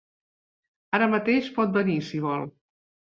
Ara mateix pot venir, si vol.